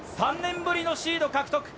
３年ぶりのシード獲得。